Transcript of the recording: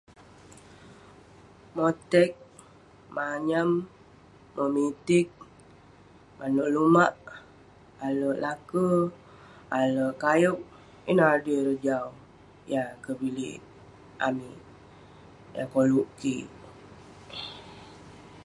Motek, manyam, memitik, manouk lumak, alek lake, alek kayouk, ineh adui ireh jau..yah kebilik amik, yah koluk kik..